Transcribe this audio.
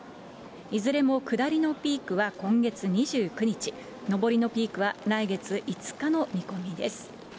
いずれも下りのピークは今月２９日、上りのピークは来月５日の見込みです。